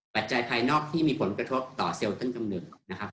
ปัจจัยภายนอกที่มีผลกระทบต่อเซลต้นกำเนิด